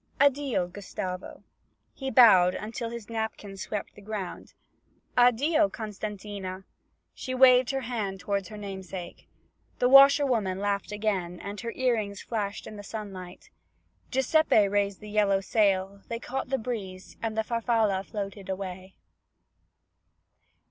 'Addio, Gustavo.' He bowed until his napkin swept the ground. 'Addio, Costantina,' she waved her hand toward her namesake. The washer woman laughed again, and her earrings flashed in the sunlight. Giuseppe raised the yellow sail; they caught the breeze, and the Farfalla floated away.